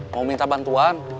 mau minta bantuan